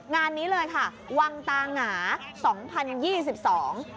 งานนี้เลยค่ะวังตาหงาสองพันยี่สิบสอง